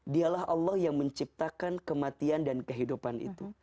dia lah allah yang menciptakan kematian dan kehidupan itu